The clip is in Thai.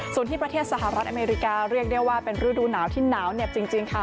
ส่วนที่ประเทศสหรัฐอเมริกาเรียกได้ว่าเป็นฤดูหนาวที่หนาวเหน็บจริงค่ะ